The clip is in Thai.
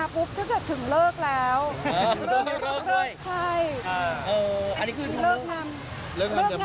พูดถึงลูกทั้งสองคน